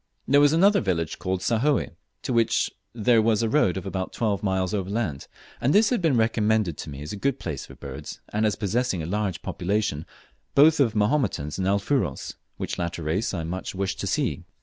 There was another village called Sahoe, to which there was a road of about twelve miles overland, and this had been recommended to me as a good place for birds, and as possessing a large population both of Mahomotans and Alfuros, which latter race I much wished to see.